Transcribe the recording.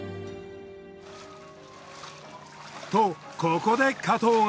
とここで加藤が。